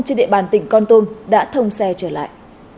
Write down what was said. trên địa bàn tỉnh con tum đã thông xe trở lại